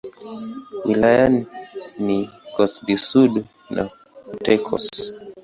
Wilaya ni Corse-du-Sud na Haute-Corse.